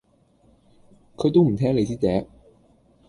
佢都唔聽你支笛